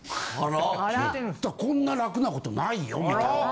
・こんな楽な事ないよみたいな。